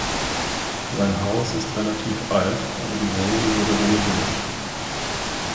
Sein Haus ist relativ alt, aber die Wohnung wurde renoviert.